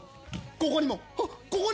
ここにも！